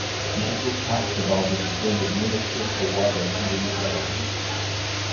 Michael Tapsoba was appointed Minister for Water in the new government.